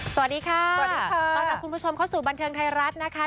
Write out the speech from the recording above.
สวัสดีค่ะสวัสดีค่ะต้อนรับคุณผู้ชมเข้าสู่บันเทิงไทยรัฐนะคะ